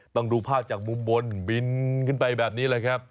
ต้องดูภาพจากมุมบนบินขึ้นไปแบบนี้แหละครับ